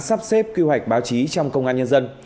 sắp xếp quy hoạch báo chí trong công an nhân dân